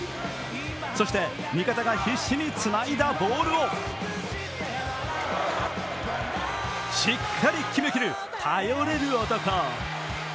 そして味方が必死につないだボールをしっかり決めきる頼れる男！